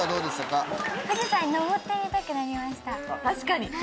確かに！